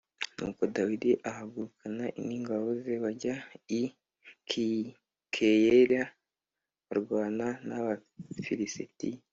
Nuko Dawidi ahagurukana n’ingabo ze bajya i Keyila barwana n’Abafilisitiya